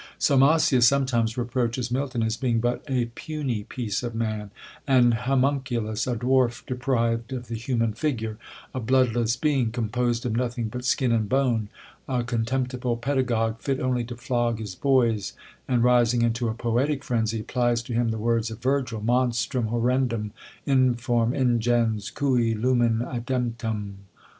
Salmasius sometimes reproaches Milton as being but a puny piece of man; an homunculus, a dwarf deprived of the human figure, a bloodless being, composed of nothing but skin and bone; a contemptible pedagogue, fit only to flog his boys: and, rising into a poetic frenzy, applies to him the words of Virgil, "Monstrum horrendum, informe, ingens, cui lumen ademptum."